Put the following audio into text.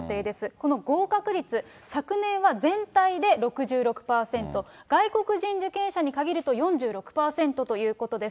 この合格率、昨年は全体で６６％、外国人受験者に限ると４６％ということです。